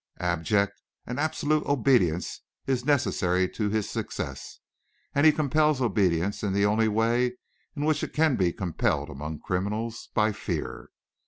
Abject and absolute obedience is necessary to his success, and he compels obedience in the only way in which it can be compelled among criminals by fear.